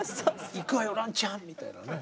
「行くわよランちゃん」みたいなね。